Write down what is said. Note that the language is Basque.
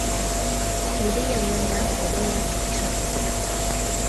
Burdina duenean koloreak izan ditzake.